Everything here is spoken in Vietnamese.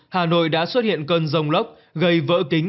hà nội đã xuất hiện cơn rông lốc gây vỡ kính